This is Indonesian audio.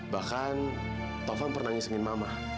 bahkan taufan pernah nangis mama